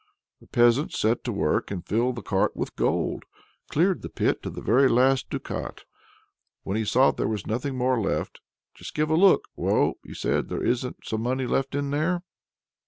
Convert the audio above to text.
The peasant set to work and filled the cart with gold; cleared the pit to the very last ducat. When he saw there was nothing more left: "Just give a look, Woe," he said; "isn't there some money left in there?"